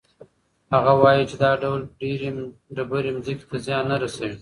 هغه وایي چې دا ډول ډبرې ځمکې ته زیان نه رسوي.